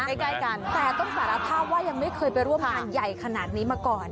ใกล้กันแต่ต้องสารภาพว่ายังไม่เคยไปร่วมงานใหญ่ขนาดนี้มาก่อน